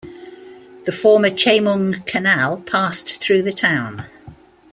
The former Chemung Canal passed through the town.